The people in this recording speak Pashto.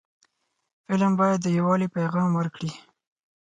فلم باید د یووالي پیغام ورکړي